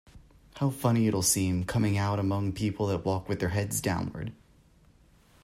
How funny it’ll seem coming out among people that walk with their heads downward!